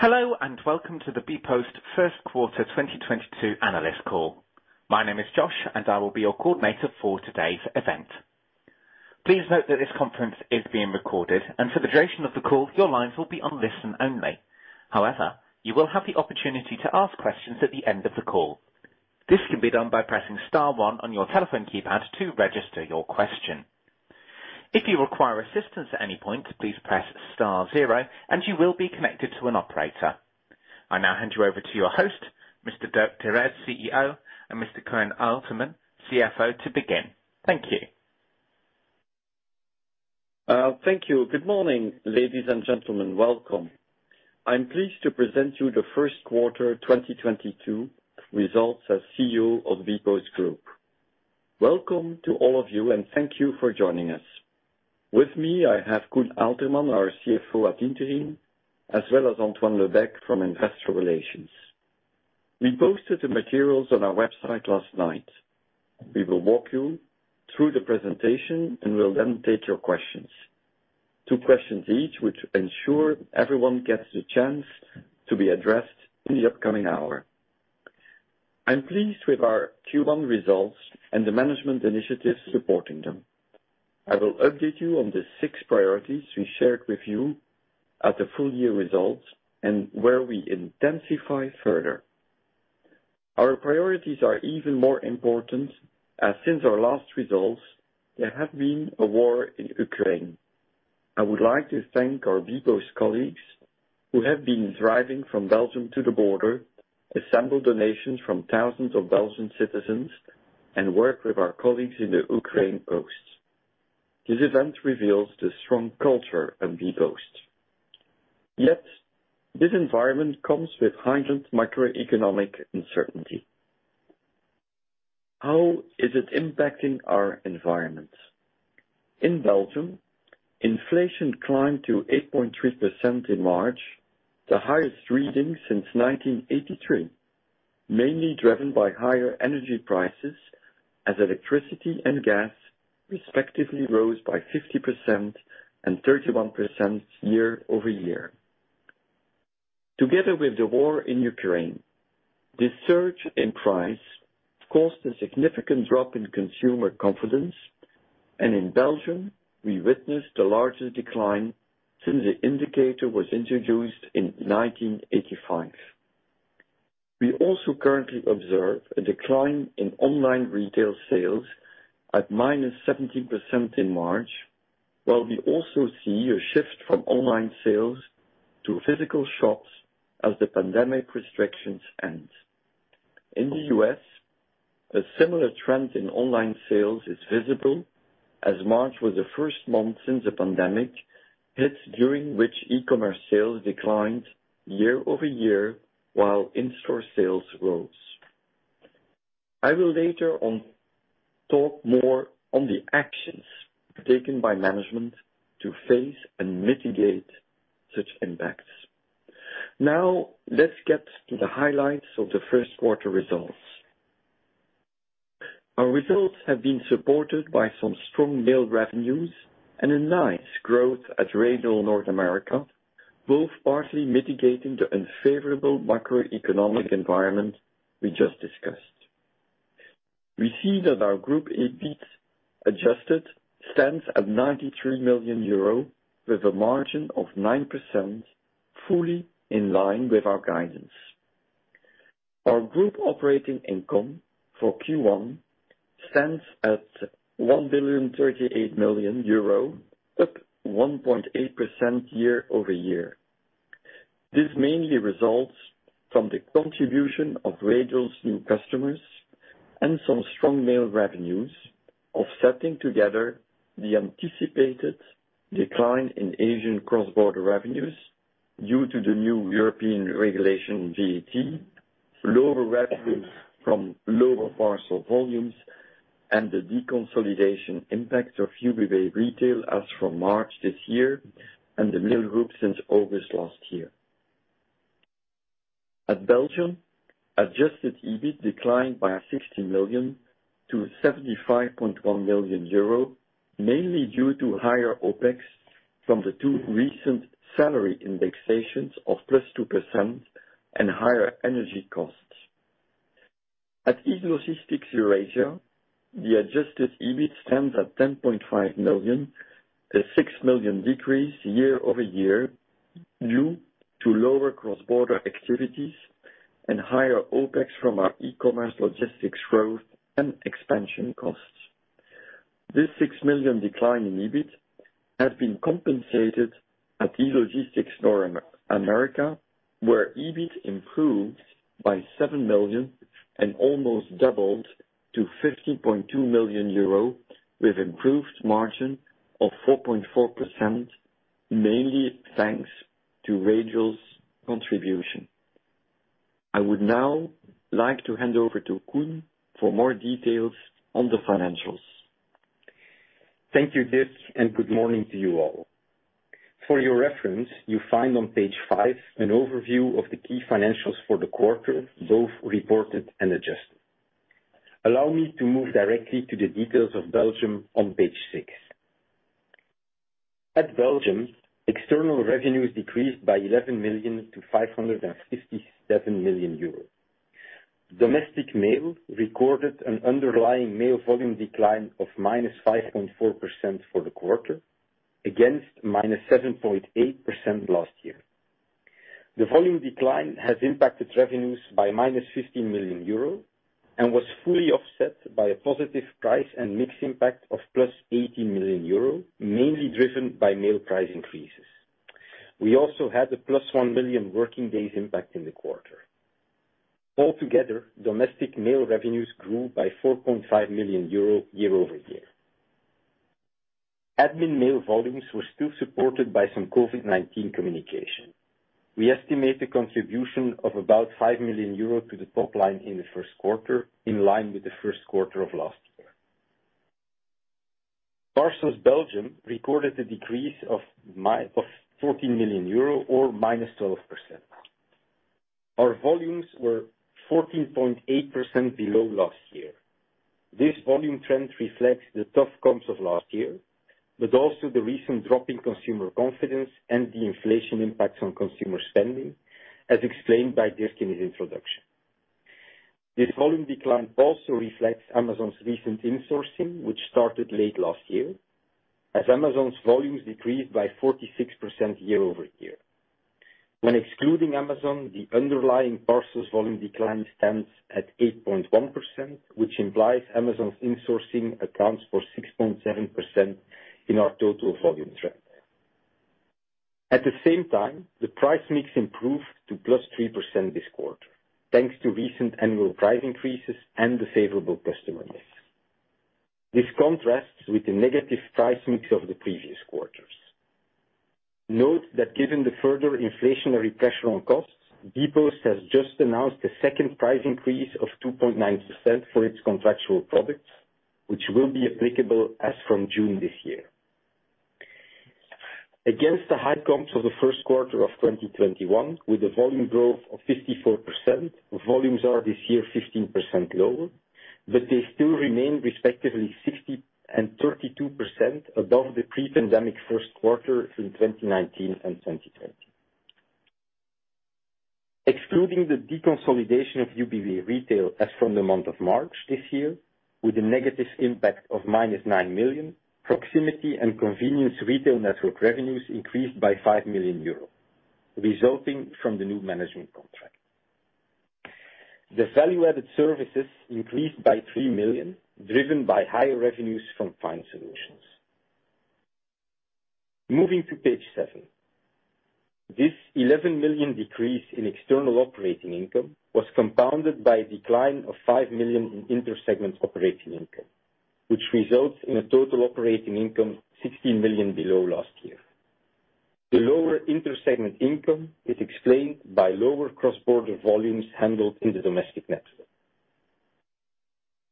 Hello, and welcome to the bpost Q1 2022 analyst call. My name is Josh, and I will be your coordinator for today's event. Please note that this conference is being recorded, and for the duration of the call, your lines will be on listen only. However, you will have the opportunity to ask questions at the end of the call. This can be done by pressing star one on your telephone keypad to register your question. If you require assistance at any point, please press star zero, and you will be connected to an operator. I now hand you over to your host, Mr. Dirk Tirez, CEO, and Mr. Koen Aelterman, CFO, to begin. Thank you. Thank you. Good morning, ladies and gentlemen. Welcome. I'm pleased to present you the Q1 2022 results as CEO of bpost Group. Welcome to all of you, and thank you for joining us. With me, I have Koen Aelterman, our CFO ad interim, as well as Antoine Lebecq from Investor Relations. We posted the materials on our website last night. We will walk you through the presentation, and we'll then take your questions. Two questions each, which ensure everyone gets the chance to be addressed in the upcoming hour. I'm pleased with our Q1 results and the management initiatives supporting them. I will update you on the six priorities we shared with you at the full year results and where we intensify further. Our priorities are even more important as since our last results, there have been a war in Ukraine. I would like to thank our bpost colleagues who have been driving from Belgium to the border, assemble donations from thousands of Belgian citizens, and work with our colleagues in the Ukrainian posts. This event reveals the strong culture of bpost. Yet this environment comes with heightened macroeconomic uncertainty. How is it impacting our environment? In Belgium, inflation climbed to 8.3% in March, the highest reading since 1983, mainly driven by higher energy prices as electricity and gas respectively rose by 50% and 31% year-over-year. Together with the war in Ukraine, this surge in price caused a significant drop in consumer confidence, and in Belgium, we witnessed the largest decline since the indicator was introduced in 1985. We also currently observe a decline in online retail sales at -17% in March, while we also see a shift from online sales to physical shops as the pandemic restrictions end. In the US, a similar trend in online sales is visible as March was the first month since the pandemic hits, during which e-commerce sales declined year-over-year while in-store sales rose. I will later on talk more on the actions taken by management to face and mitigate such impacts. Now, let's get to the highlights of the Q1 results. Our results have been supported by some strong mail revenues and a nice growth at Radial North America, both partly mitigating the unfavorable macroeconomic environment we just discussed. We see that our group EBIT adjusted stands at 93 million euro with a margin of 9% fully in line with our guidance. Our group operating income for Q1 stands at 1,038 million euro, up 1.8% year-over-year. This mainly results from the contribution of Radial's new customers and some strong mail revenues offsetting together the anticipated decline in Asian cross-border revenues due to the new European regulation VAT, lower revenues from lower parcel volumes, and the deconsolidation impact of Ubiway Retail as from March this year and The Mail Group since August last year. At bpost Belgium, adjusted EBIT declined by 60 million to 75.1 million euro, mainly due to higher OPEX from the two recent salary indexations of +2% and higher energy costs. At E-Logistics Eurasia, the adjusted EBIT stands at 10.5 million, a 6 million decrease year-over-year due to lower cross-border activities and higher OPEX from our e-commerce logistics growth and expansion costs. This 6 million decline in EBIT has been compensated at E-Logistics North America, where EBIT improved by 7 million and almost doubled to 50.2 million euro with improved margin of 4.4%, mainly thanks to Radial's contribution. I would now like to hand over to Koen for more details on the financials. Thank you, Dirk, and good morning to you all. For your reference, you find on page 5 an overview of the key financials for the quarter, both reported and adjusted. Allow me to move directly to the details of Belgium on page 6. At Belgium, external revenues decreased by 11 million to 567 million euros. Domestic mail recorded an underlying mail volume decline of -5.4% for the quarter against -7.8% last year. The volume decline has impacted revenues by -15 million euro and was fully offset by a positive price and mix impact of +18 million euro, mainly driven by mail price increases. We also had a +1 million working days impact in the quarter. Altogether, domestic mail revenues grew by 4.5 million euro year-over-year. Admin mail volumes were still supported by some COVID-19 communication. We estimate the contribution of about 5 million euros to the top line in the Q1, in line with the Q1 of last year. Parcels Belgium recorded a decrease of 14 million euro or -12%. Our volumes were 14.8% below last year. This volume trend reflects the tough comps of last year, but also the recent drop in consumer confidence and the inflation impacts on consumer spending, as explained by Dirk in his introduction. This volume decline also reflects Amazon's recent insourcing, which started late last year, as Amazon's volumes decreased by 46% year-over-year. When excluding Amazon, the underlying parcels volume decline stands at 8.1%, which implies Amazon's insourcing accounts for 6.7% in our total volume trend. At the same time, the price mix improved to +3% this quarter, thanks to recent annual price increases and the favorable customer mix. This contrasts with the negative price mix of the previous quarters. Note that given the further inflationary pressure on costs, bpost has just announced a second price increase of 2.9% for its contractual products, which will be applicable as from June this year. Against the high comps of the Q1 of 2021, with a volume growth of 54%, volumes are this year 15% lower, but they still remain respectively 60% and 32% above the pre-pandemic Q1 in 2019 and 2020. Excluding the deconsolidation of Ubiway Retail as from the month of March this year, with a negative impact of minus 9 million, proximity and convenience retail network revenues increased by 5 million euros, resulting from the new management contract. The value-added services increased by 3 million, driven by higher revenues from Fines solutions. Moving to page 7. This 11 million decrease in external operating income was compounded by a decline of 5 million in inter-segment operating income, which results in a total operating income 16 million below last year. The lower inter-segment income is explained by lower cross-border volumes handled in the domestic network.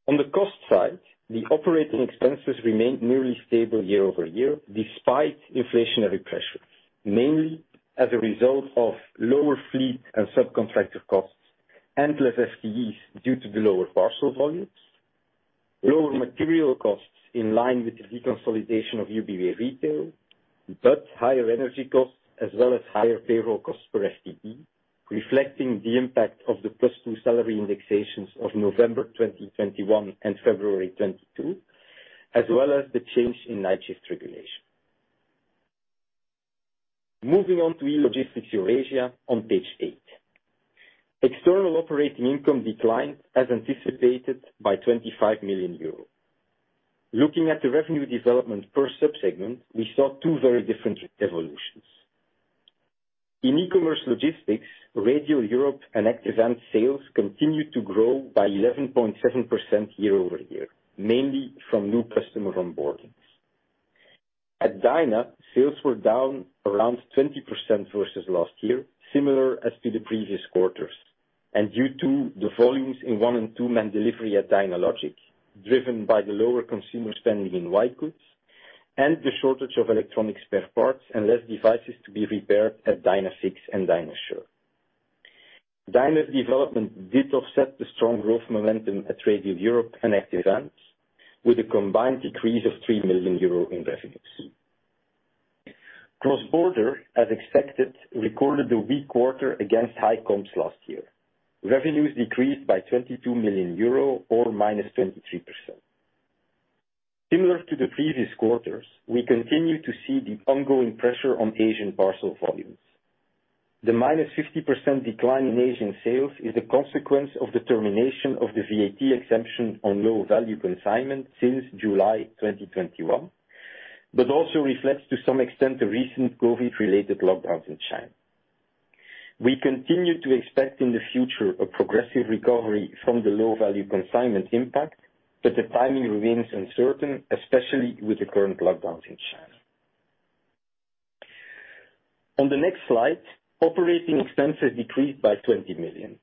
On the cost side, the operating expenses remained nearly stable year-over-year, despite inflationary pressures, mainly as a result of lower fleet and subcontractor costs and less FTEs due to the lower parcel volumes, lower material costs in line with the deconsolidation of Ubiway Retail, but higher energy costs as well as higher payroll costs per FTE, reflecting the impact of the plus two salary indexations of November 2021 and February 2022, as well as the change in night shift regulation. Moving on to E-Logistics Eurasia on page 8. External operating income declined as anticipated by 25 million euros. Looking at the revenue development per sub-segment, we saw two very different evolutions. In e-commerce logistics, Radial Europe and Active Ants sales continued to grow by 11.7% year-over-year, mainly from new customer onboardings. At Dyna, sales were down around 20% versus last year, similar to the previous quarters, due to the volumes in one-and-two-man delivery at Dynalogic, driven by the lower consumer spending in white goods and the shortage of electronic spare parts and less devices to be repaired at Dynafix and Dynasure. Dyna's development did offset the strong growth momentum at Radial Europe and Active Ants with a combined decrease of 3 million euro in revenues. Cross-border, as expected, recorded a weak quarter against high comps last year. Revenues decreased by 22 million euro or -23%. Similar to the previous quarters, we continue to see the ongoing pressure on Asian parcel volumes. The -50% decline in Asian sales is a consequence of the termination of the VAT exemption on low-value consignment since July 2021, but also reflects to some extent the recent COVID-related lockdowns in China. We continue to expect in the future a progressive recovery from the low-value consignment impact, but the timing remains uncertain, especially with the current lockdowns in China. On the next slide, operating expenses decreased by 20 million.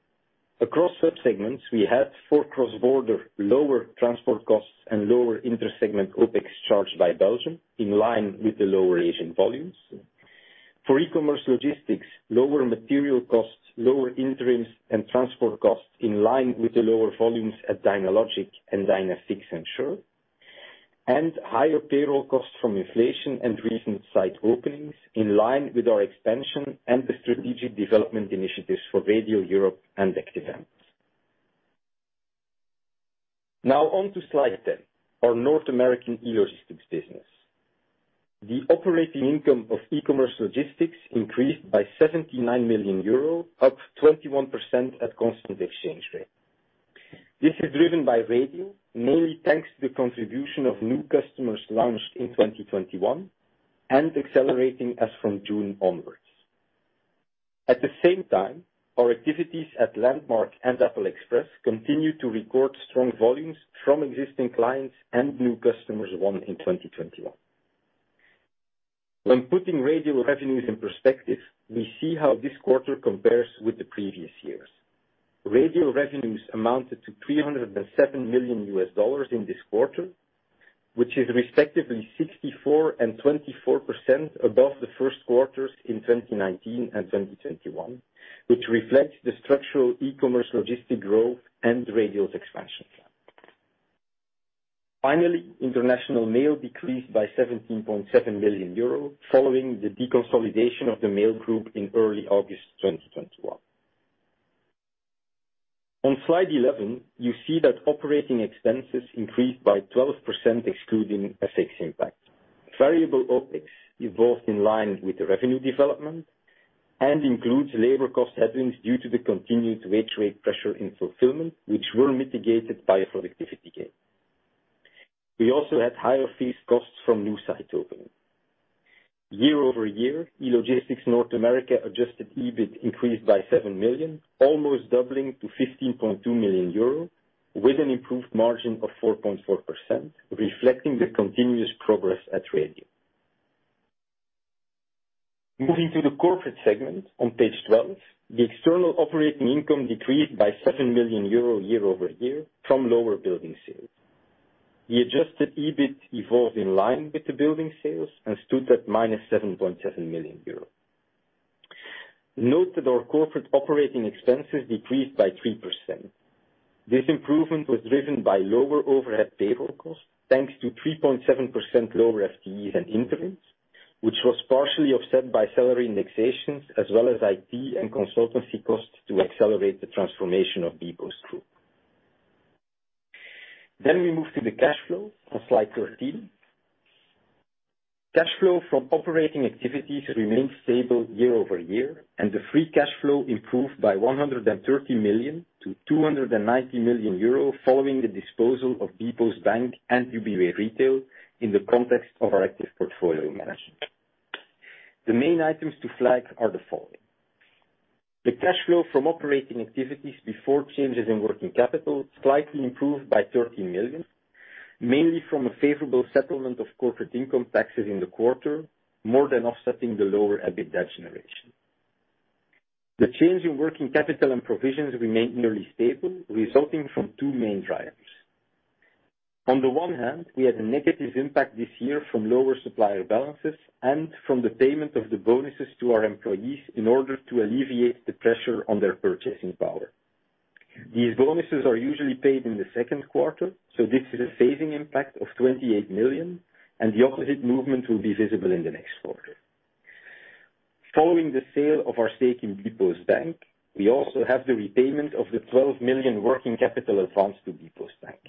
Across sub-segments, we had for cross-border, lower transport costs and lower inter-segment OPEX charged by Belgium, in line with the lower Asian volumes. For e-commerce logistics, lower material costs, lower interims and transport costs in line with the lower volumes at Dynalogic and Dynafix and Dynasure, and higher payroll costs from inflation and recent site openings in line with our expansion and the strategic development initiatives for Radial Europe and Active Ants. Now on to slide 10, our North American e-logistics business. The operating income of e-commerce logistics increased by 79 million euros, up 21% at constant exchange rate. This is driven by Radial, mainly thanks to the contribution of new customers launched in 2021 and accelerating as from June onwards. At the same time, our activities at Landmark and Apple Express continue to record strong volumes from existing clients and new customers won in 2021. When putting Radial revenues in perspective, we see how this quarter compares with the previous years. Radial revenues amounted to $307 million in this quarter, which is respectively 64% and 24% above the Q1s in 2019 and 2021, which reflects the structural e-commerce logistics growth and Radial's expansion plan. Finally, international mail decreased by 17.7 million euros, following the deconsolidation of The Mail Group in early August 2021. On slide 11, you see that operating expenses increased by 12% excluding FX impact. Variable OpEx evolved in line with the revenue development and includes labor cost headwinds due to the continued wage rate pressure in fulfillment, which were mitigated by a productivity gain. We also had higher fixed costs from new site opening. Year-over-year, E-Logistics North America adjusted EBIT increased by 7 million, almost doubling to 15.2 million euro, with an improved margin of 4.4%, reflecting the continuous progress at Radial. Moving to the corporate segment on page 12, the external operating income decreased by 7 million euro year-over-year from lower building sales. The adjusted EBIT evolved in line with the billing sales and stood at -7.7 million euros. Note that our corporate operating expenses decreased by 3%. This improvement was driven by lower overhead payroll costs, thanks to 3.7% lower FTEs and interims, which was partially offset by salary indexations as well as IT and consultancy costs to accelerate the transformation of bpost Group. We move to the cash flow on slide 13. Cash flow from operating activities remained stable year-over-year, and the free cash flow improved by 130 million to 290 million euro, following the disposal of bpost bank and Ubiway Retail in the context of our active portfolio management. The main items to flag are the following: The cash flow from operating activities before changes in working capital slightly improved by 13 million, mainly from a favorable settlement of corporate income taxes in the quarter, more than offsetting the lower EBITDA generation. The change in working capital and provisions remained nearly stable, resulting from two main drivers. On the one hand, we had a negative impact this year from lower supplier balances and from the payment of the bonuses to our employees in order to alleviate the pressure on their purchasing power. These bonuses are usually paid in the Q2, so this is a phasing impact of 28 million, and the opposite movement will be visible in the next quarter. Following the sale of our stake in bpost bank, we also have the repayment of the 12 million working capital advance to bpost bank.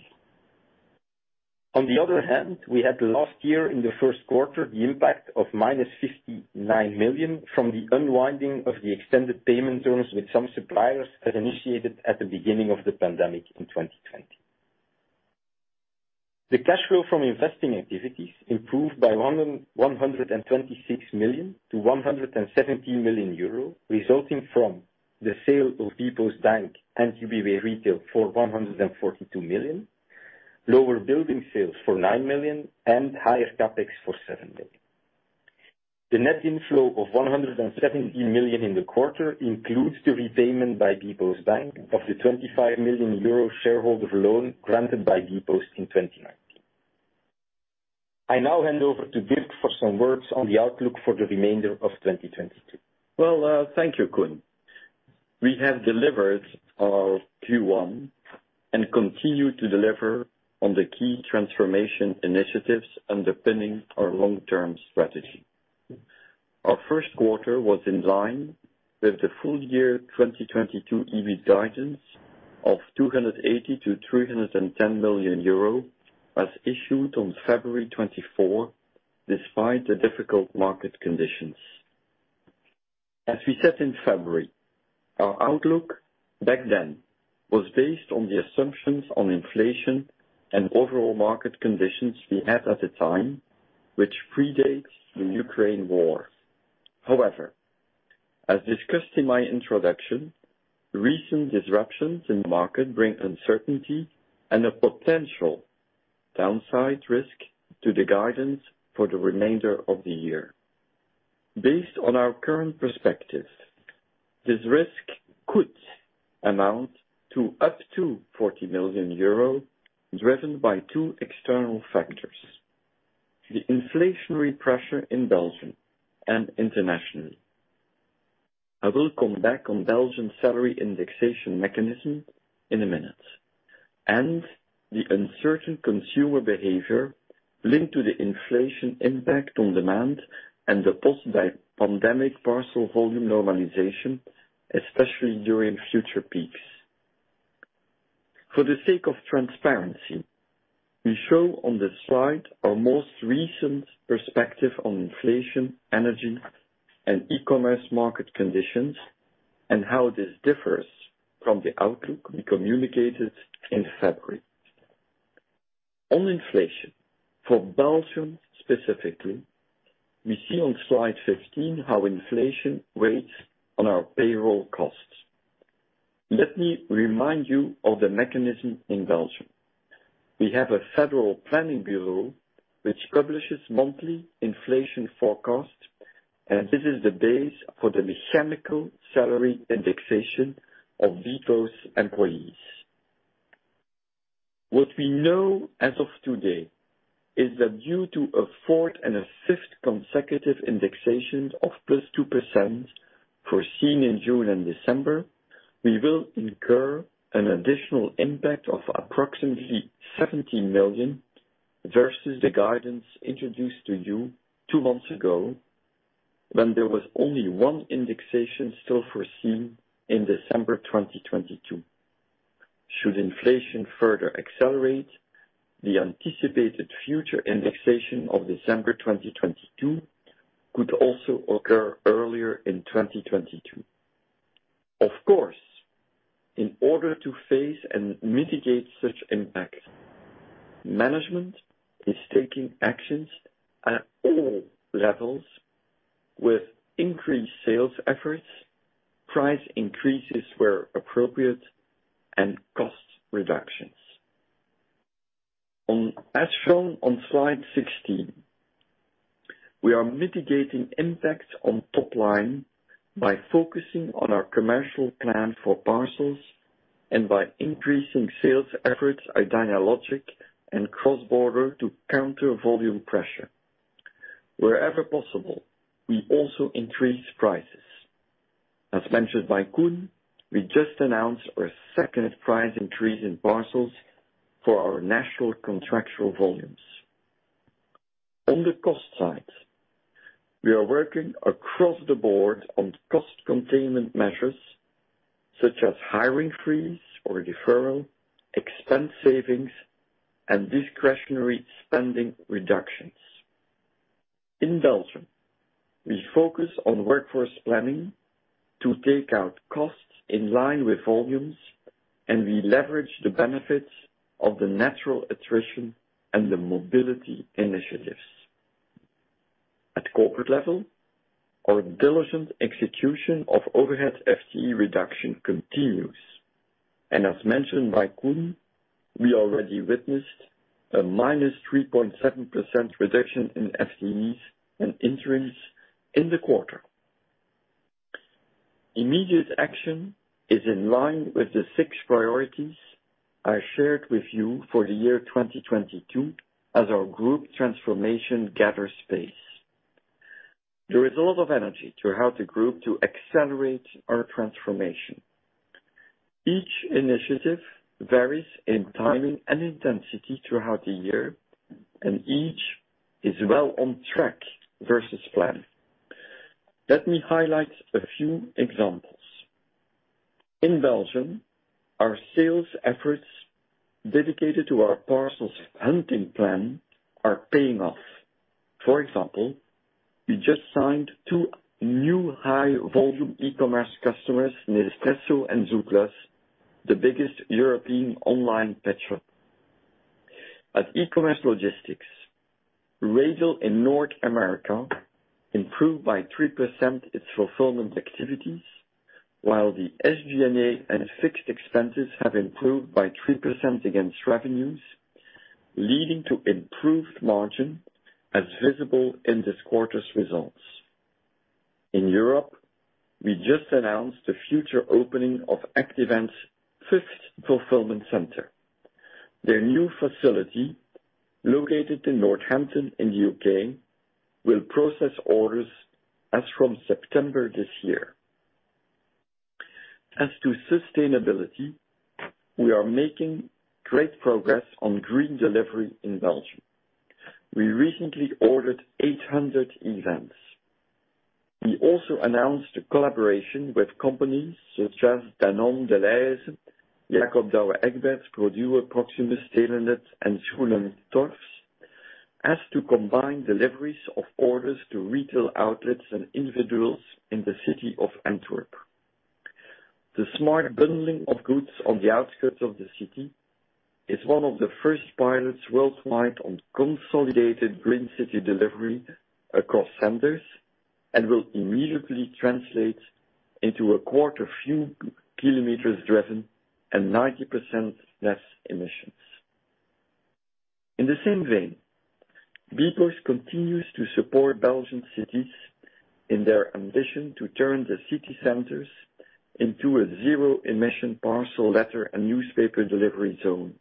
On the other hand, we had last year in the Q1 the impact of -59 million from the unwinding of the extended payment terms with some suppliers that initiated at the beginning of the pandemic in 2020. The cash flow from investing activities improved by 126 million to 117 million euro, resulting from the sale of bpost bank and Ubiway Retail for 142 million, lower building sales for 9 million, and higher CapEx for 7 million. The net inflow of 117 million in the quarter includes the repayment by bpost bank of the 25 million euro shareholder loan granted by bpost in 2019. I now hand over to Dirk for some words on the outlook for the remainder of 2022. Well, thank you, Koen. We have delivered our Q1 and continue to deliver on the key transformation initiatives underpinning our long-term strategy. Our Q1 was in line with the full year 2022 EBIT guidance of 280 million-310 million euro as issued on February 24, despite the difficult market conditions. As we said in February, our outlook back then was based on the assumptions on inflation and overall market conditions we had at the time, which predates the Ukraine war. However, as discussed in my introduction, recent disruptions in the market bring uncertainty and a potential downside risk to the guidance for the remainder of the year. Based on our current perspective, this risk could amount to up to 40 million euros, driven by two external factors, the inflationary pressure in Belgium and internationally. I will come back on Belgian salary indexation mechanism in a minute, and the uncertain consumer behavior linked to the inflation impact on demand and the post-pandemic parcel volume normalization, especially during future peaks. For the sake of transparency, we show on this slide our most recent perspective on inflation, energy, and e-commerce market conditions and how this differs from the outlook we communicated in February. On inflation, for Belgium specifically, we see on slide 15 how inflation weighs on our payroll costs. Let me remind you of the mechanism in Belgium. We have a Federal Planning Bureau which publishes monthly inflation forecasts, and this is the base for the mechanical salary indexation of bpost employees. What we know as of today is that due to a fourth and a fifth consecutive indexation of +2% foreseen in June and December, we will incur an additional impact of approximately 17 million versus the guidance introduced to you two months ago, when there was only one indexation still foreseen in December 2022. Should inflation further accelerate, the anticipated future indexation of December 2022 could also occur earlier in 2022. Of course, in order to face and mitigate such impact, management is taking actions at all levels with increased sales efforts, price increases where appropriate, and cost reductions. As shown on slide 16, we are mitigating impacts on top line by focusing on our commercial plan for parcels and by increasing sales efforts at Dynalogic and cross-border to counter volume pressure. Wherever possible, we also increase prices. As mentioned by Koen, we just announced our second price increase in parcels for our national contractual volumes. On the cost side, we are working across the board on cost containment measures such as hiring freeze or deferral, expense savings, and discretionary spending reductions. In Belgium, we focus on workforce planning to take out costs in line with volumes, and we leverage the benefits of the natural attrition and the mobility initiatives. At corporate level, our diligent execution of overhead FTE reduction continues. As mentioned by Koen, we already witnessed a -3.7% reduction in FTEs and interims in the quarter. Immediate action is in line with the six priorities I shared with you for the year 2022 as our group transformation gathers pace. There is a lot of energy to help the group to accelerate our transformation. Each initiative varies in timing and intensity throughout the year, and each is well on track versus plan. Let me highlight a few examples. In Belgium, our sales efforts dedicated to our parcels hunting plan are paying off. For example, we just signed 2 new high volume e-commerce customers, Nespresso and zooplus, the biggest European online pet retailer. At E-Logistics North America, Radial improved by 3% its fulfillment activities, while the SG&A and fixed expenses have improved by 3% against revenues, leading to improved margin, as visible in this quarter's results. In Europe, we just announced the future opening of Active Ants' fifth fulfillment center. Their new facility, located in Northampton in the UK, will process orders as from September this year. As to sustainability, we are making great progress on green delivery in Belgium. We recently ordered 800 electric vans. We also announced a collaboration with companies such as Danone, Delhaize, Jacobs Douwe Egberts, Pro-Duo, Proximus, Telenet, and Schoenen Torfs as to combine deliveries of orders to retail outlets and individuals in the city of Antwerp. The smart bundling of goods on the outskirts of the city is one of the first pilots worldwide on consolidated green city delivery across senders and will immediately translate into a quarter fewer kilometers driven and 90% less emissions. In the same vein, bpost continues to support Belgian cities in their ambition to turn the city centers into a zero-emission parcel letter and newspaper delivery zone.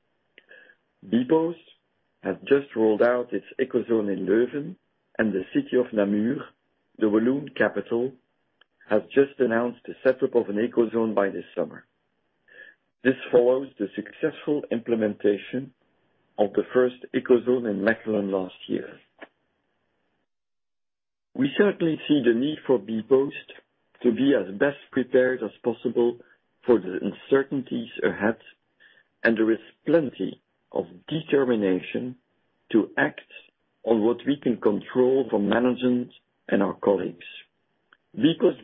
bpost has just rolled out its Ecozone in Leuven, and the city of Namur, the Walloon capital, has just announced the setup of an Ecozone by this summer. This follows the successful implementation of the first Ecozone in Mechelen last year. We certainly see the need for bpost to be as best prepared as possible for the uncertainties ahead, and there is plenty of determination to act on what we can control from management and our colleagues. bpost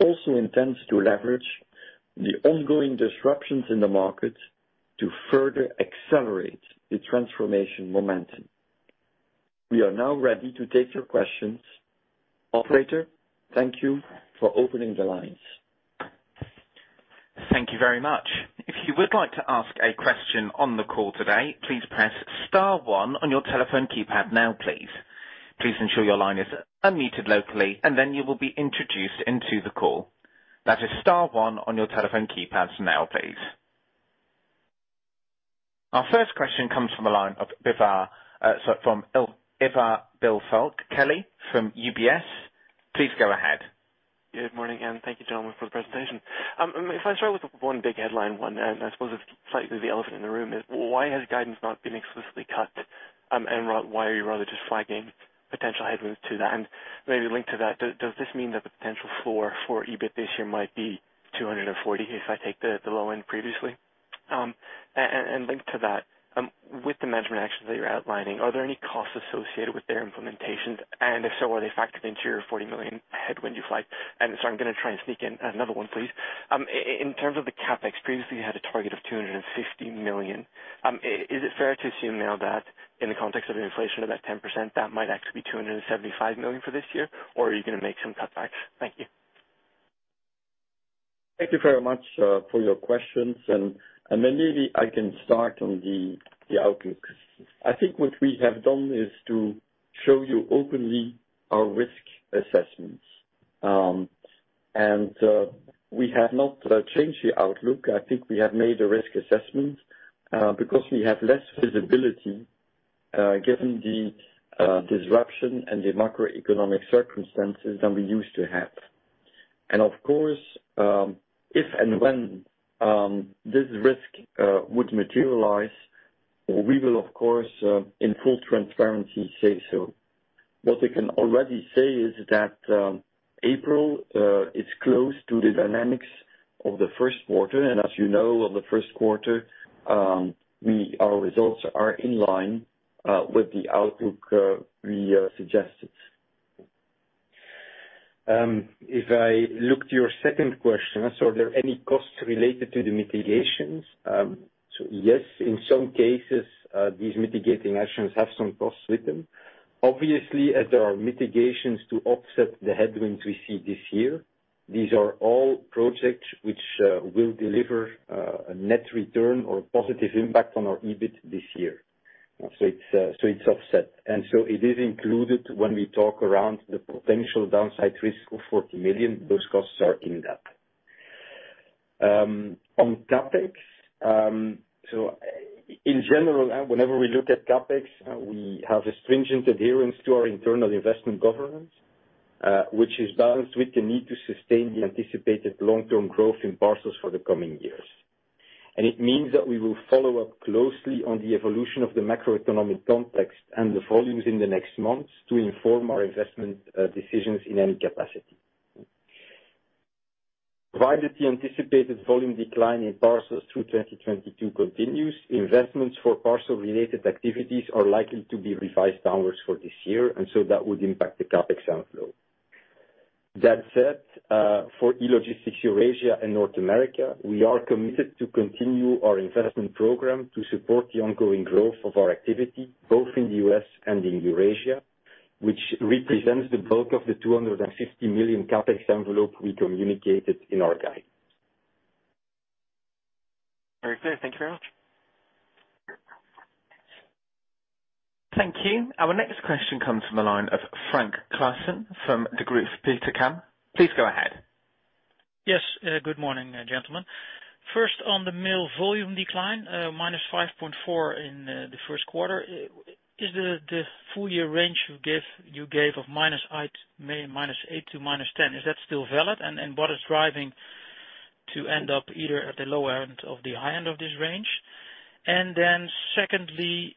also intends to leverage the ongoing disruptions in the market to further accelerate the transformation momentum. We are now ready to take your questions. Operator, thank you for opening the lines. Thank you very much. If you would like to ask a question on the call today, please press star one on your telephone keypad now, please. Please ensure your line is unmuted locally, and then you will be introduced into the call. That is star one on your telephone keypads now, please. Our first question comes from the line of Ivar Billfalk-Kelly from UBS. Please go ahead. Good morning, and thank you, gentlemen, for the presentation. If I start with one big headline one, and I suppose it's slightly the elephant in the room, is why has guidance not been explicitly cut, and why are you rather just flagging potential headwind to that? Maybe linked to that, does this mean that the potential floor for EBIT this year might be 240 if I take the low end previously? And linked to that, with the management actions that you're outlining, are there any costs associated with their implementations? If so, are they factored into your 40 million headwind you flagged? I'm gonna try and sneak in another one, please. In terms of the CapEx, previously you had a target of 250 million. Is it fair to assume now that in the context of an inflation of that 10%, that might actually be 275 million for this year, or are you gonna make some cutbacks? Thank you. Thank you very much for your questions. Maybe I can start on the outlook. I think what we have done is to show you openly our risk assessments. We have not changed the outlook. I think we have made a risk assessment because we have less visibility given the disruption and the macroeconomic circumstances than we used to have. Of course, if and when this risk would materialize, we will of course in full transparency say so. What we can already say is that April is close to the dynamics of the Q1. As you know, in the Q1 our results are in line with the outlook we suggested. If I look to your second question, are there any costs related to the mitigations? Yes, in some cases, these mitigating actions have some costs with them. Obviously, as there are mitigations to offset the headwinds we see this year, these are all projects which will deliver a net return or a positive impact on our EBIT this year. It's offset. It is included when we talk around the potential downside risk of 40 million. Those costs are in that. On CapEx, in general, whenever we look at CapEx, we have a stringent adherence to our internal investment governance, which is balanced with the need to sustain the anticipated long-term growth in parcels for the coming years. It means that we will follow up closely on the evolution of the macroeconomic context and the volumes in the next months to inform our investment decisions in any capacity. Provided the anticipated volume decline in parcels through 2022 continues, investments for parcel-related activities are likely to be revised downwards for this year, and so that would impact the CapEx outflow. That said, for E-Logistics Eurasia and North America, we are committed to continue our investment program to support the ongoing growth of our activity, both in the U.S. and in Eurasia, which represents the bulk of the 250 million CapEx envelope we communicated in our guide. Very clear. Thank you very much. Thank you. Our next question comes from the line of Frank Claassen from Degroof Petercam. Please go ahead. Yes. Good morning, gentlemen. First on the mail volume decline, -5.4% in the Q1. Is the full year range you gave of -8%-10% still valid? What is driving to end up either at the low end or the high end of this range? Secondly,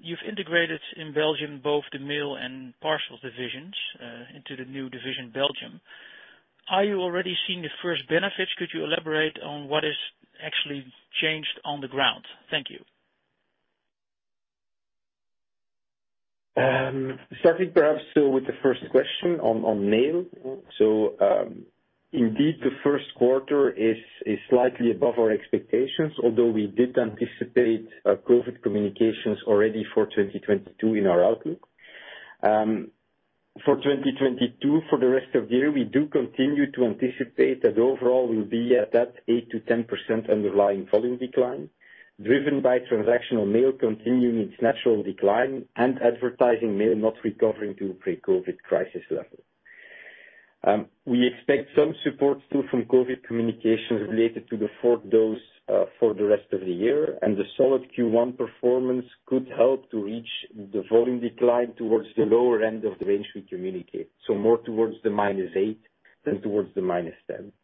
you've integrated in Belgium both the mail and parcels divisions into the new division Belgium. Are you already seeing the first benefits? Could you elaborate on what is actually changed on the ground? Thank you. Starting perhaps with the first question on mail. Indeed the Q1 is slightly above our expectations, although we did anticipate a COVID communications already for 2022 in our outlook. For 2022, for the rest of the year, we do continue to anticipate that overall we'll be at that 8%-10% underlying volume decline, driven by transactional mail continuing its natural decline and advertising mail not recovering to pre-COVID crisis level. We expect some support too from COVID communications related to the fourth dose for the rest of the year, and the solid Q1 performance could help to reach the volume decline towards the lower end of the range we communicate. More towards the -8% than towards the -10%.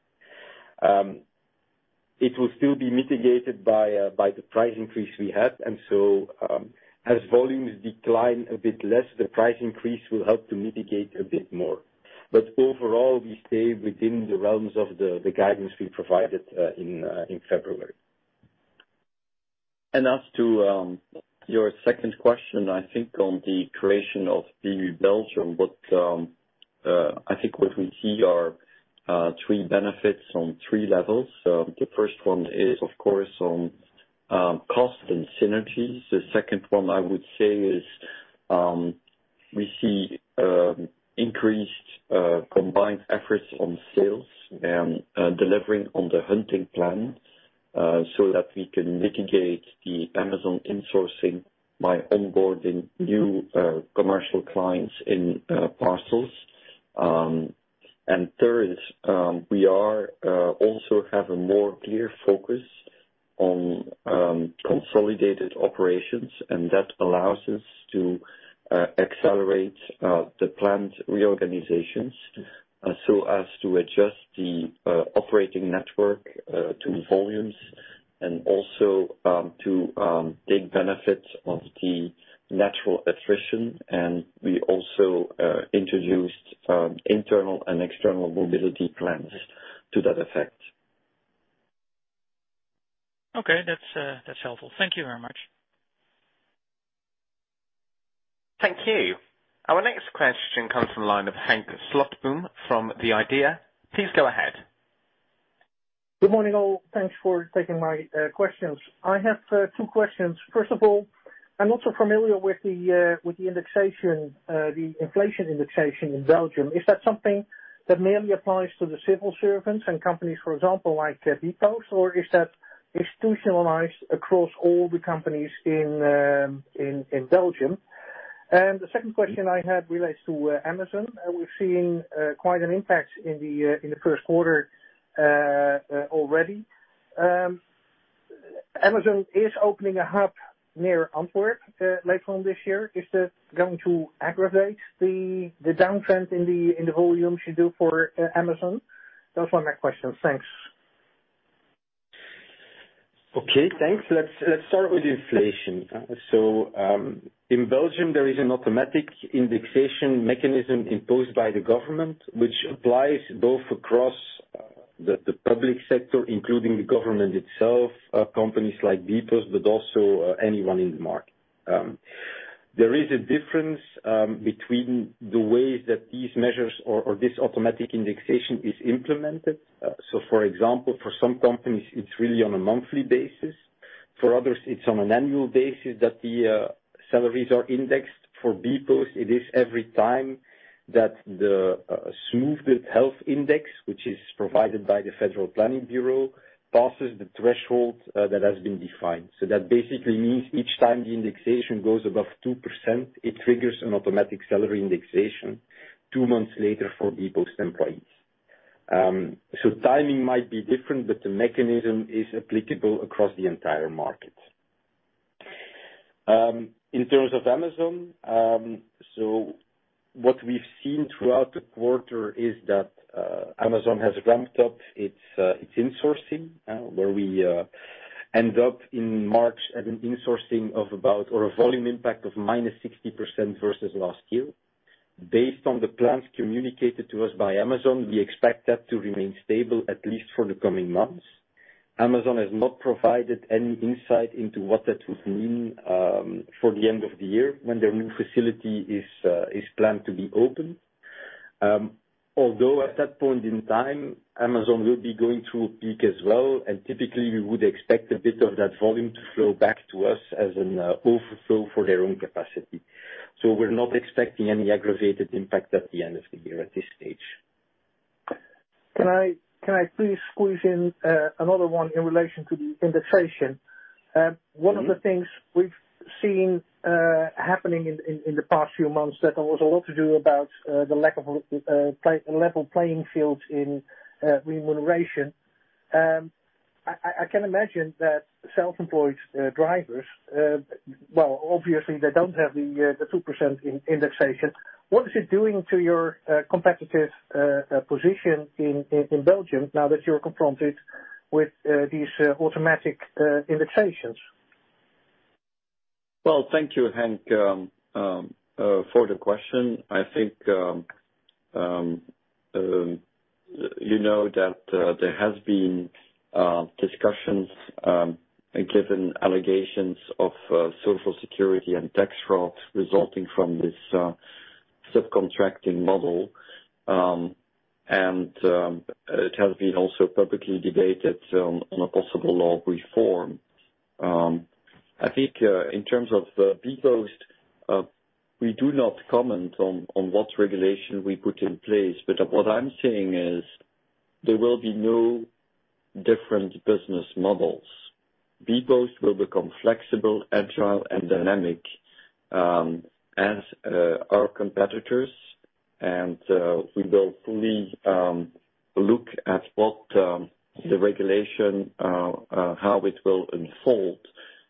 It will still be mitigated by the price increase we had. As volumes decline a bit less, the price increase will help to mitigate a bit more. Overall, we stay within the realms of the guidance we provided in February. As to your second question, I think what we see on the creation of bpost Belgium are three benefits on three levels. The first one is, of course, on cost and synergies. The second one I would say is, we see increased combined efforts on sales and delivering on the hunting plan, so that we can mitigate the Amazon insourcing by onboarding new commercial clients in parcels. Third, we are also have a more clear focus on consolidated operations, and that allows us to accelerate the planned reorganizations so as to adjust the operating network to volumes and also to take benefit of the natural attrition. We also introduced internal and external mobility plans to that effect. Okay. That's helpful. Thank you very much. Thank you. Our next question comes from line of Henk Slotboom from the IDEA!. Please go ahead. Good morning, all. Thanks for taking my questions. I have two questions. First of all, I'm not so familiar with the indexation, the inflation indexation in Belgium. Is that something that merely applies to the civil servants and companies, for example, like bpost? Or is that institutionalized across all the companies in Belgium? The second question I had relates to Amazon. We're seeing quite an impact in the Q1 already. Amazon is opening a hub near Antwerp later on this year. Is that going to aggravate the downtrend in the volumes you do for Amazon? Those were my questions. Thanks. Okay, thanks. Let's start with inflation. In Belgium there is an automatic indexation mechanism imposed by the government, which applies both across the public sector, including the government itself, companies like bpost, but also anyone in the market. There is a difference between the ways that these measures or this automatic indexation is implemented. For example, for some companies it's really on a monthly basis. For others, it's on an annual basis that the salaries are indexed. For bpost, it is every time that the smoothed health index, which is provided by the Federal Planning Bureau, passes the threshold that has been defined. That basically means each time the indexation goes above 2%, it triggers an automatic salary indexation two months later for bpost employees. Timing might be different, but the mechanism is applicable across the entire market. In terms of Amazon, what we've seen throughout the quarter is that Amazon has ramped up its insourcing, where we end up in March at an insourcing of about or a volume impact of minus 60% versus last year. Based on the plans communicated to us by Amazon, we expect that to remain stable at least for the coming months. Amazon has not provided any insight into what that would mean for the end of the year when their new facility is planned to be open. Although at that point in time, Amazon will be going through a peak as well, and typically we would expect a bit of that volume to flow back to us as an overflow for their own capacity. We're not expecting any aggravated impact at the end of the year at this stage. Can I please squeeze in another one in relation to the indexation? One of the things we've seen happening in the past few months that there was a lot to do about the lack of level playing fields in remuneration. I can imagine that self-employed drivers, well, obviously they don't have the 2% indexation. What is it doing to your competitive position in Belgium now that you're confronted with these automatic indexations? Well, thank you, Henk, for the question. I think, you know that, there has been discussions, given allegations of Social Security and tax fraud resulting from this subcontracting model. It has been also publicly debated on a possible law reform. I think, in terms of bpost, we do not comment on what regulation we put in place, but what I'm saying is there will be no different business models. bpost will become flexible, agile, and dynamic, as our competitors, and we will fully look at what the regulation how it will unfold.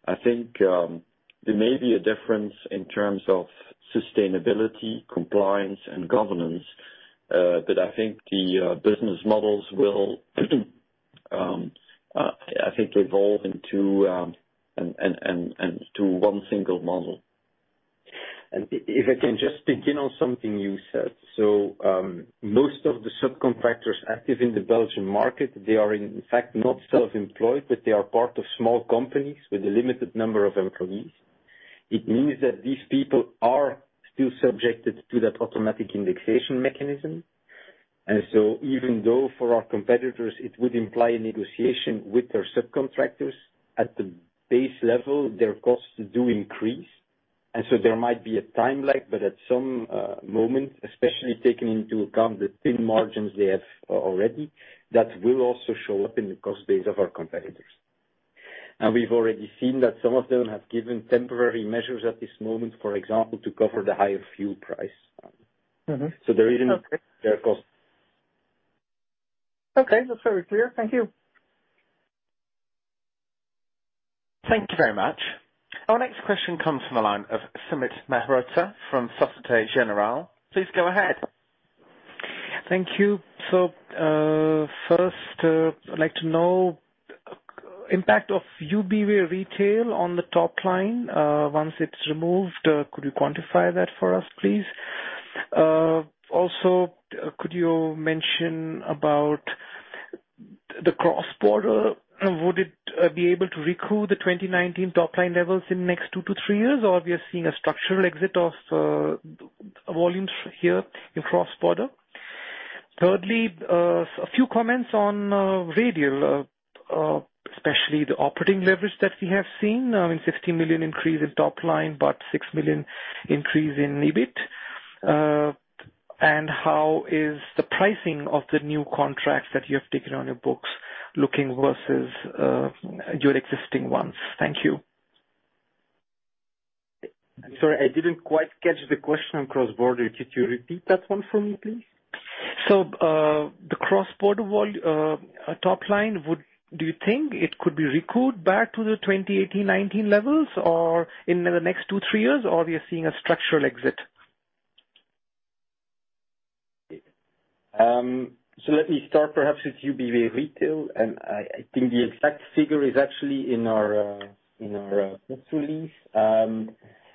I think there may be a difference in terms of sustainability, compliance and governance, but I think the business models will I think evolve into and to one single model. If I can just pitch in on something you said. Most of the subcontractors active in the Belgian market, they are in fact not self-employed, but they are part of small companies with a limited number of employees. It means that these people are still subjected to that automatic indexation mechanism. Even though for our competitors it would imply a negotiation with their subcontractors, at the base level, their costs do increase. There might be a time lag, but at some moment, especially taking into account the thin margins they have already, that will also show up in the cost base of our competitors. We've already seen that some of them have given temporary measures at this moment, for example, to cover the higher fuel price. Mm-hmm. There isn't a fair cost. Okay, that's very clear. Thank you. Thank you very much. Our next question comes from the line of Sumit Mehrotra from Société Générale. Please go ahead. Thank you. First, I'd like to know impact of Ubiway Retail on the top line, once it's removed. Also, could you mention about the cross-border? Would it be able to recoup the 2019 top line levels in next two to three years, or we are seeing a structural exit of volumes here in cross-border? Thirdly, a few comments on Radial, especially the operating leverage that we have seen in 60 million increase in top line, but 6 million increase in EBIT. And how is the pricing of the new contracts that you have taken on your books looking versus your existing ones? Thank you. Sorry, I didn't quite catch the question on cross-border. Could you repeat that one for me, please? The cross-border volume top line, do you think it could be recouped back to the 2018, 2019 levels or in the next two, three years? Or are we seeing a structural exit? Let me start perhaps with Ubiway Retail, and I think the exact figure is actually in our press release.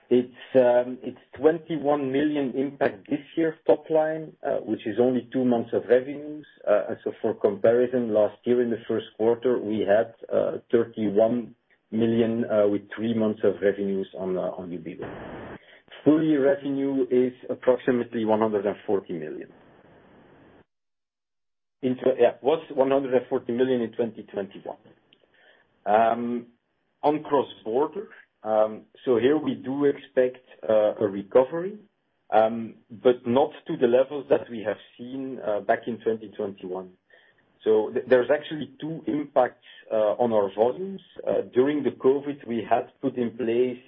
It's 21 million impact this year top line, which is only two months of revenues. For comparison, last year in the Q1, we had 31 million, with three months of revenues on Ubiway Retail. Full year revenue is approximately 140 million. Was 140 million in 2021. On cross-border, here we do expect a recovery, but not to the levels that we have seen back in 2021. There's actually two impacts on our volumes. During the COVID, we had put in place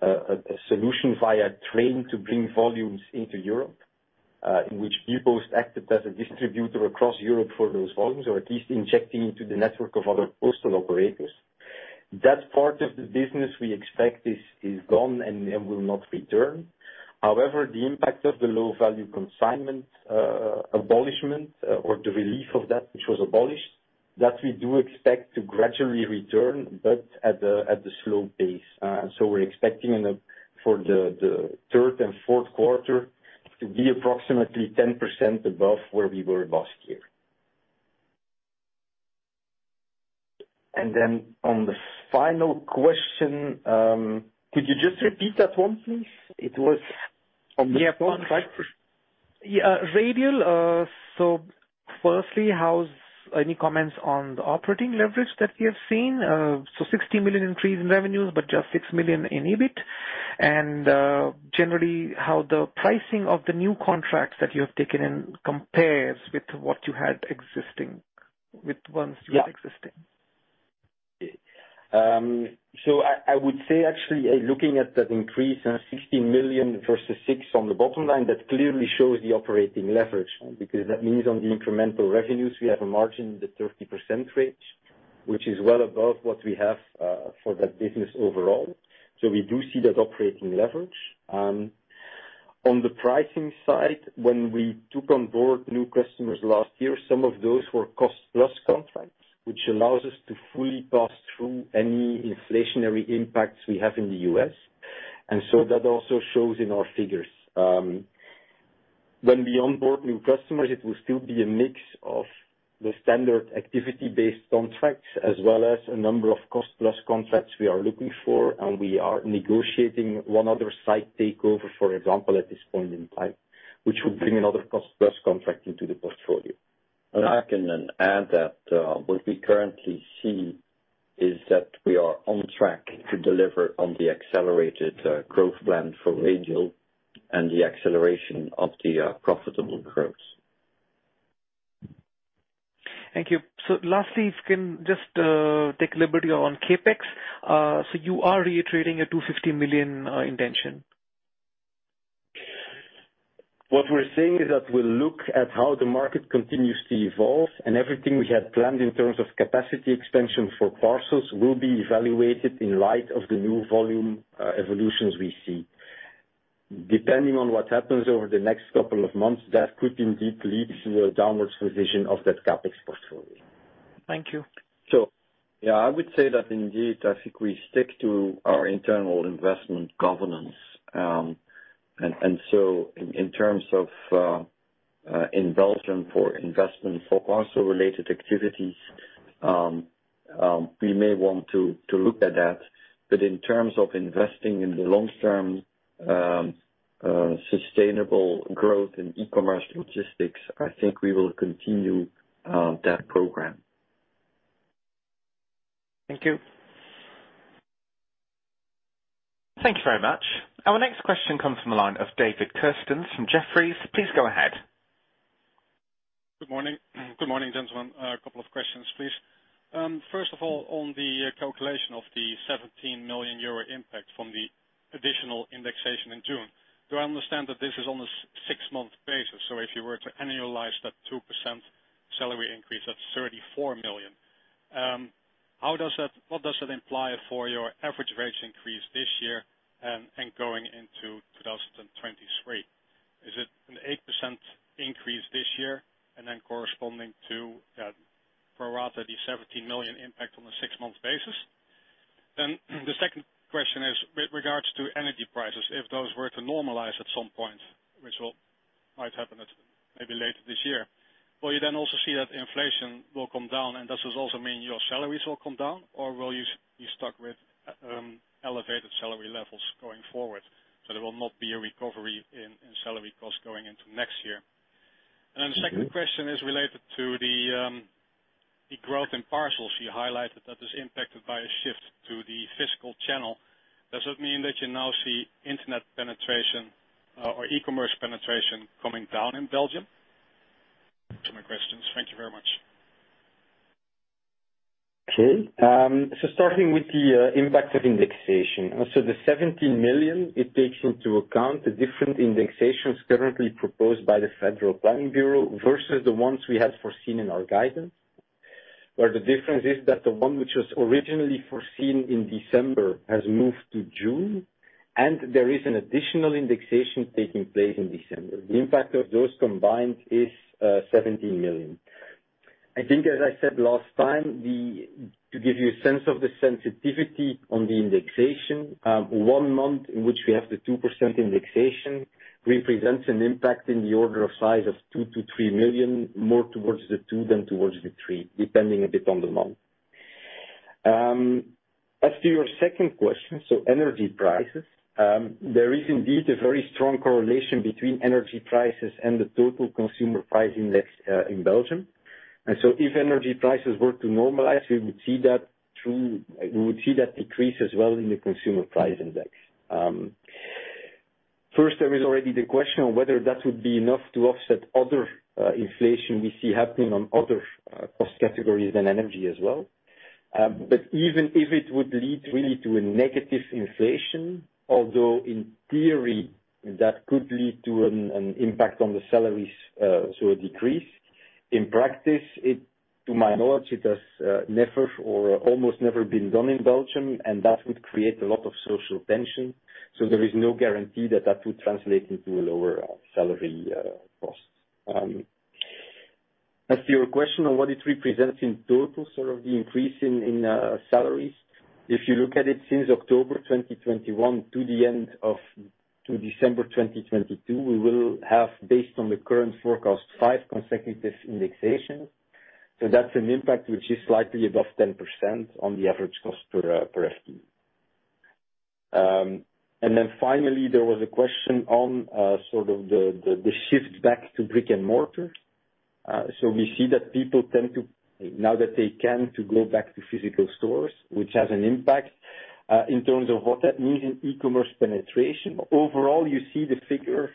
a solution via train to bring volumes into Europe, in which bpost acted as a distributor across Europe for those volumes, or at least injecting into the network of other postal operators. That part of the business we expect is gone and will not return. However, the impact of the low-value consignment abolishment, or the relief of that which was abolished, that we do expect to gradually return, but at a slow pace. We're expecting for the third and Q4 to be approximately 10% above where we were last year. Then on the final question, could you just repeat that one, please? It was on the top, right? Radial, firstly, how about any comments on the operating leverage that we have seen? 60 million increase in revenues but just 6 million in EBIT. Generally, how the pricing of the new contracts that you have taken in compares with ones you had existing. Yeah. I would say actually looking at that increase, 60 million versus 6 million on the bottom line, that clearly shows the operating leverage, because that means on the incremental revenues we have a margin in the 30% range, which is well above what we have for that business overall. We do see that operating leverage. On the pricing side, when we took on board new customers last year, some of those were cost-plus contracts, which allows us to fully pass through any inflationary impacts we have in the US. That also shows in our figures. When we onboard new customers, it will still be a mix of the standard activity based contracts as well as a number of cost-plus contracts we are looking for, and we are negotiating one other site takeover, for example, at this point in time, which would bring another cost-plus contract into the portfolio. I can then add that, what we currently see is that we are on track to deliver on the accelerated growth plan for Agil and the acceleration of the profitable growth. Thank you. Lastly, if we can just take liberty on CapEx. You are reiterating a 250 million intention? What we're saying is that we'll look at how the market continues to evolve, and everything we had planned in terms of capacity expansion for parcels will be evaluated in light of the new volume evolutions we see. Depending on what happens over the next couple of months, that could indeed lead to a downward revision of that CapEx portfolio. Thank you. Yeah, I would say that indeed, I think we stick to our internal investment governance. In terms of in Belgium for investment for parcel-related activities, we may want to look at that. In terms of investing in the long-term sustainable growth in e-commerce logistics, I think we will continue that program. Thank you. Thank you very much. Our next question comes from the line of David Kerstens from Jefferies. Please go ahead. Good morning. Good morning, gentlemen. A couple of questions, please. First of all, on the calculation of the 17 million euro impact from the additional indexation in June, do I understand that this is on a six-month basis? So if you were to annualize that 2% salary increase, that's 34 million. What does that imply for your average wage increase this year and going into 2023? Is it an 8% increase this year and then corresponding to, for rather the 17 million impact on a six-month basis? The second question is with regards to energy prices. If those were to normalize at some point, which might happen at maybe later this year, will you then also see that inflation will come down, and does this also mean your salaries will come down, or will you be stuck with elevated salary levels going forward, so there will not be a recovery in salary costs going into next year? The second question is related to the growth in parcels you highlighted that is impacted by a shift to the physical channel. Does that mean that you now see internet penetration or e-commerce penetration coming down in Belgium? Those are my questions. Thank you very much. Okay. Starting with the impact of indexation. The 17 million takes into account the different indexations currently proposed by the Federal Planning Bureau versus the ones we had foreseen in our guidance, where the difference is that the one which was originally foreseen in December has moved to June, and there is an additional indexation taking place in December. The impact of those combined is 17 million. I think, as I said last time, to give you a sense of the sensitivity on the indexation, one month in which we have the 2% indexation represents an impact in the order of size of 2-3 million, more towards the 2 than towards the 3, depending a bit on the month. As to your second question, energy prices, there is indeed a very strong correlation between energy prices and the total consumer price index in Belgium. If energy prices were to normalize, we would see that decrease as well in the consumer price index. First, there is already the question of whether that would be enough to offset other inflation we see happening on other cost categories than energy as well. Even if it would lead really to a negative inflation, although in theory that could lead to an impact on the salaries, so a decrease, in practice, to my knowledge, it has never or almost never been done in Belgium, and that would create a lot of social tension. There is no guarantee that that would translate into a lower salary cost. As to your question on what it represents in total, sort of the increase in salaries, if you look at it since October 2021 to December 2022, we will have, based on the current forecast, five consecutive indexations. That's an impact which is slightly above 10% on the average cost per FTE. Finally, there was a question on sort of the shift back to brick and mortar. We see that people tend to, now that they can, to go back to physical stores, which has an impact in terms of what that means in e-commerce penetration. Overall, you see the figure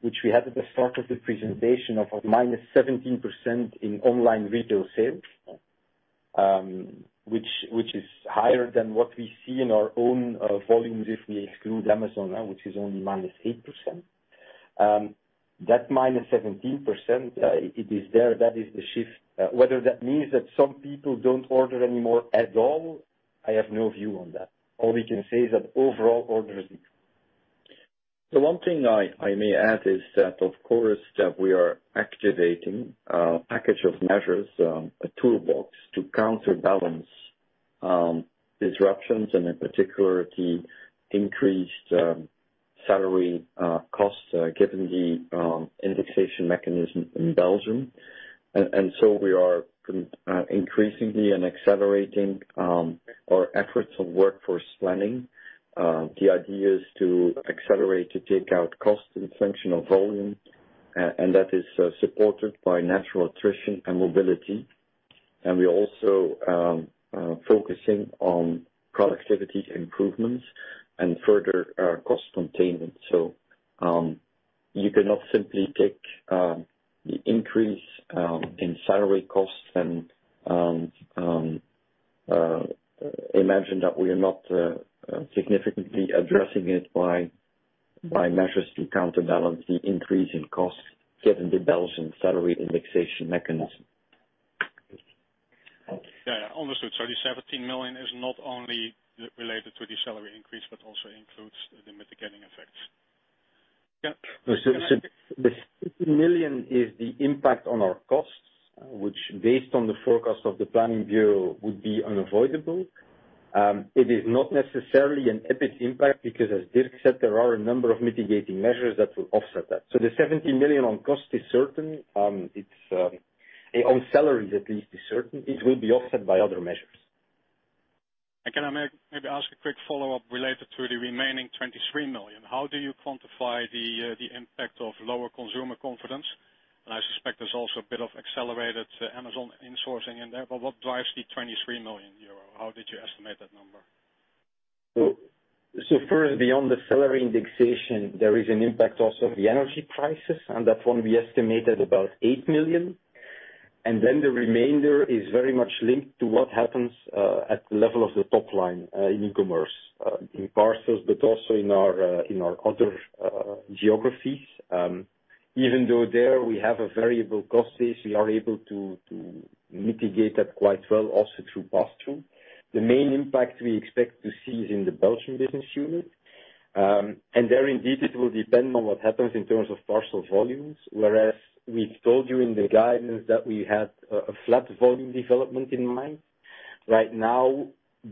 which we had at the start of the presentation of -17% in online retail sales, which is higher than what we see in our own volumes if we exclude Amazon, which is only -8%. That -17%, it is there. That is the shift. Whether that means that some people don't order anymore at all, I have no view on that. All we can say is that overall orders. The one thing I may add is that of course we are activating a package of measures, a toolbox to counterbalance disruptions and in particular the increased salary costs given the indexation mechanism in Belgium. We are increasingly and accelerating our efforts of workforce planning. The idea is to accelerate to take out cost in functional volume, and that is supported by natural attrition and mobility. We also are focusing on productivity improvements and further cost containment. You cannot simply take the increase in salary costs and imagine that we are not significantly addressing it by measures to counterbalance the increase in costs given the Belgian salary indexation mechanism. Yeah. Understood. The 17 million is not only related to the salary increase, but also includes the mitigating effects. Yeah. The 17 million is the impact on our costs, which based on the forecast of the Federal Planning Bureau, would be unavoidable. It is not necessarily an EBIT impact because as Dirk said, there are a number of mitigating measures that will offset that. The 17 million on cost is certain. It's on salaries at least is certain. It will be offset by other measures. Can I maybe ask a quick follow-up related to the remaining 23 million? How do you quantify the impact of lower consumer confidence? I suspect there's also a bit of accelerated Amazon insourcing in there, but what drives the 23 million euro? How did you estimate that number? First, beyond the salary indexation, there is an impact also of the energy prices, and that one we estimated about 8 million. Then the remainder is very much linked to what happens at the level of the top line in e-commerce in parcels, but also in our in our other geographies. Even though there we have a variable cost base, we are able to mitigate that quite well also through pass-through. The main impact we expect to see is in the Belgian business unit. There indeed, it will depend on what happens in terms of parcel volumes. Whereas we've told you in the guidance that we had a flat volume development in mind. Right now,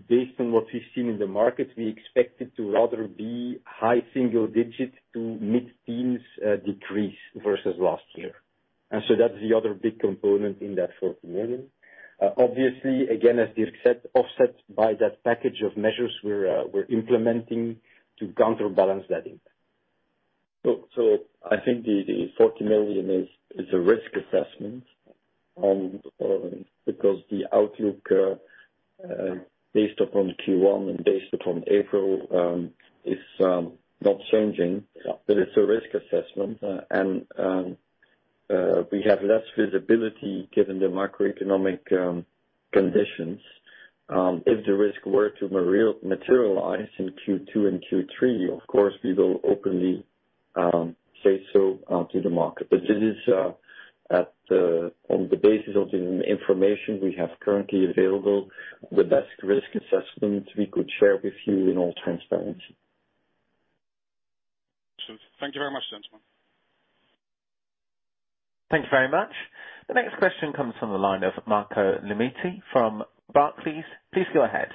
based on what we've seen in the market, we expect it to rather be high single-digit to mid-teens% decrease versus last year. That's the other big component in that 40 million. Obviously, again, as Dirk said, offset by that package of measures we're implementing to counterbalance that impact. I think the 40 million is a risk assessment, because the outlook, based upon Q1 and based upon April, is not changing. Yeah. It's a risk assessment. We have less visibility given the macroeconomic conditions. If the risk were to materialize in Q2 and Q3, of course, we will openly say so to the market. It is on the basis of the information we have currently available, the best risk assessment we could share with you in all transparency. Thank you very much, gentlemen. Thank you very much. The next question comes from the line of Marco Limite from Barclays. Please go ahead.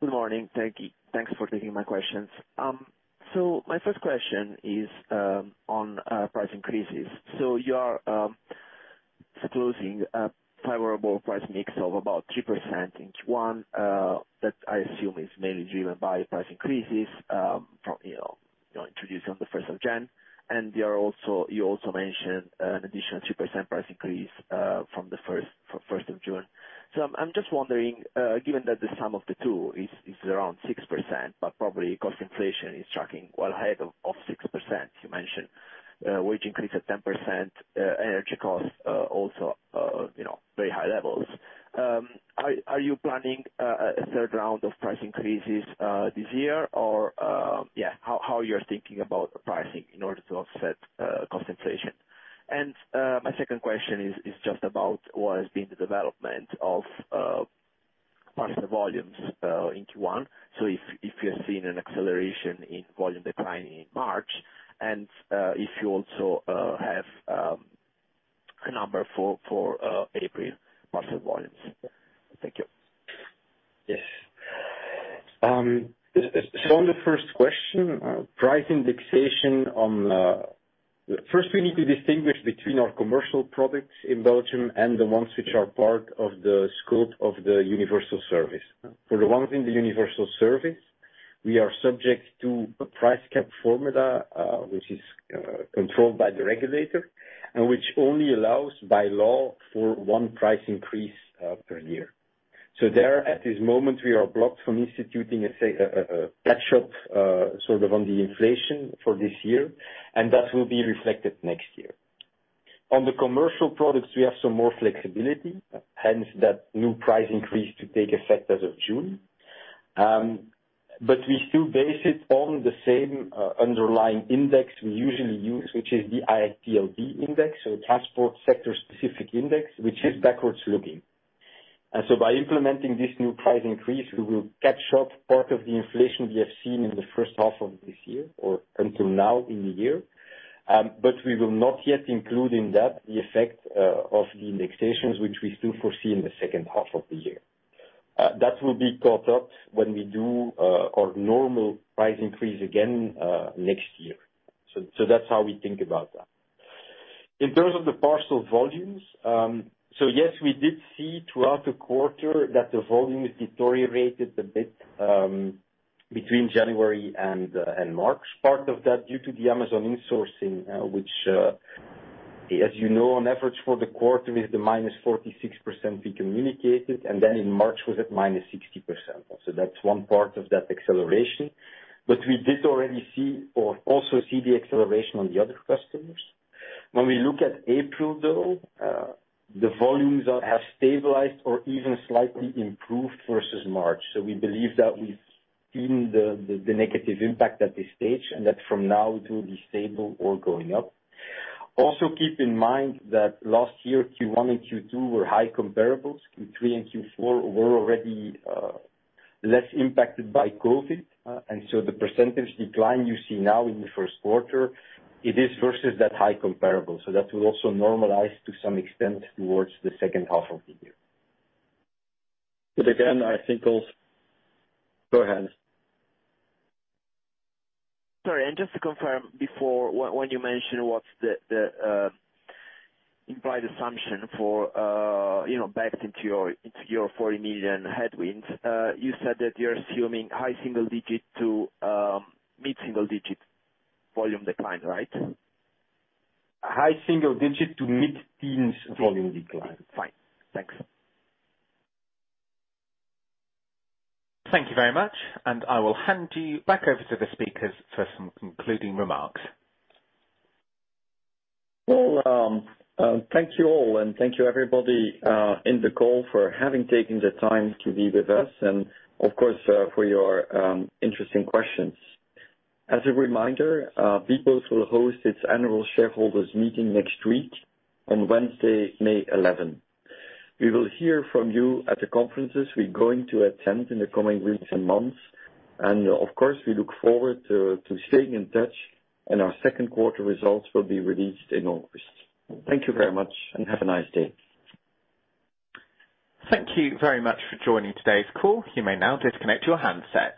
Good morning. Thank you. Thanks for taking my questions. My first question is on price increases. You are disclosing a favorable price mix of about 3% in Q1 that I assume is mainly driven by price increases from you know introduced on the first of January. You also mentioned an additional 2% price increase from the first of June. I'm just wondering, given that the sum of the two is around 6%, but probably cost inflation is tracking well ahead of 6%, you mentioned wage increase at 10%, energy costs also you know very high levels. Are you planning a third round of price increases this year? How you're thinking about pricing in order to offset cost inflation. My second question is just about what has been the development of parcel volumes in Q1. If you're seeing an acceleration in volume decline in March and if you also have a number for April parcel volumes. Thank you. Yes. On the first question, price indexation, first we need to distinguish between our commercial products in Belgium and the ones which are part of the scope of the universal service. For the ones in the universal service, we are subject to a price cap formula, which is controlled by the regulator and which only allows by law for one price increase per year. There, at this moment, we are blocked from instituting a catch-up sort of on the inflation for this year, and that will be reflected next year. On the commercial products, we have some more flexibility, hence that new price increase to take effect as of June. We still base it on the same underlying index we usually use, which is the IIPLB index, so a transport sector specific index, which is backward looking. By implementing this new price increase, we will catch up part of the inflation we have seen in the first half of this year or until now in the year. We will not yet include in that the effect of the indexations which we still foresee in the second half of the year. That will be caught up when we do our normal price increase again next year. That's how we think about that. In terms of the parcel volumes, yes, we did see throughout the quarter that the volumes deteriorated a bit between January and March. Part of that due to the Amazon insourcing, which, as you know, on average for the quarter is the -46% we communicated, and then in March was at -60%. That's one part of that acceleration. We did already see or also see the acceleration on the other customers. When we look at April, though, the volumes have stabilized or even slightly improved versus March. We believe that we've seen the negative impact at this stage, and that from now it will be stable or going up. Also, keep in mind that last year, Q1 and Q2 were high comparables. Q3 and Q4 were already less impacted by COVID. The percentage decline you see now in the Q1, it is versus that high comparable. That will also normalize to some extent towards the second half of the year. Again, I think also. Go ahead. Sorry, just to confirm before, when you mentioned what's the implied assumption for, you know, backed into your 40 million headwinds, you said that you're assuming high single-digit to mid-single-digit volume decline, right? High single-digit to mid-teens volume decline. Fine. Thanks. Thank you very much, and I will hand you back over to the speakers for some concluding remarks. Well, thank you all, and thank you everybody in the call for having taking the time to be with us and of course for your interesting questions. As a reminder, bpost will host its annual shareholders meeting next week on Wednesday, May 11. We will hear from you at the conferences we're going to attend in the coming weeks and months. Of course, we look forward to staying in touch, and our Q2 results will be released in August. Thank you very much and have a nice day. Thank you very much for joining today's call. You may now disconnect your handset.